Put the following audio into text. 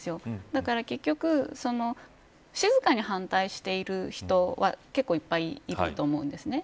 だから結局静かに反対している人は結構いっぱいいると思うんですね。